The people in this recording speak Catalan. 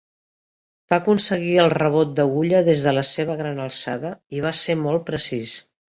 Va aconseguir el rebot d'agulla des de la seva gran alçada i va ser molt precís.